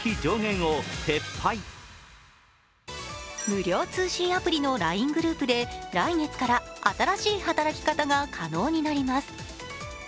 無料通信アプリのライングループで来月から新しい働き方が可能になります。